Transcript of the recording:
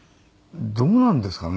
どうなんですかね。